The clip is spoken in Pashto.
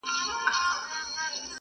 پر ټول ښار باندي تیاره د شپې خپره وه -